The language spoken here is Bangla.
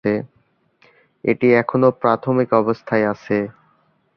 এটি এখনও প্রাথমিক অবস্থায় আছে।